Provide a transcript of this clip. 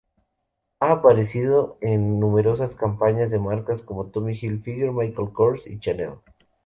Ha aparecido en numerosas campañas de marcas como Tommy Hilfiger, Michael Kors y Chanel.